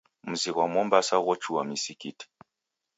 Mzi ghwa Mombasa ghochua misikiti.